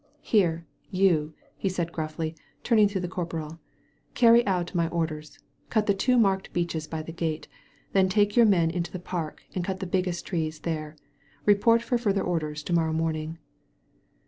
"Here, you," he said gruffly, turning to the cor poral, "cany out my orders. Cut the two marked beeches by the gate. Then take your men into the park and cut the biggest trees there. Report for further orders to morrow morning."